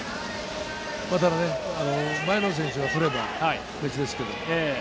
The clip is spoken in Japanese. ただね、前の選手が取れば別ですけど。